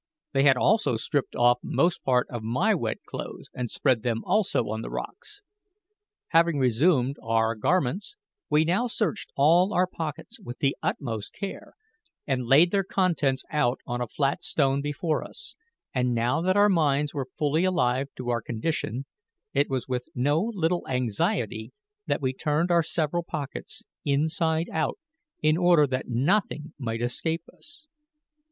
They had also stripped off most part of my wet clothes and spread them also on the rocks. Having resumed our garments, we now searched all our pockets with the utmost care, and laid their contents out on a flat stone before us; and now that our minds were fully alive to our condition, it was with no little anxiety that we turned our several pockets inside out in order that nothing might escape us.